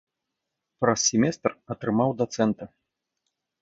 Праз семестр атрымаў дацэнта.